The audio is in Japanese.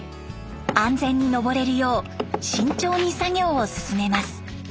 安全に上れるよう慎重に作業を進めます。